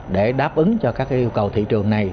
để đáp ứng cho các yêu cầu thị trường này